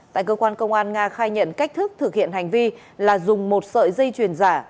tại cơ quan công an nga khai nhận cách thức thực hiện hành vi là dùng một sợi dây chuyền giả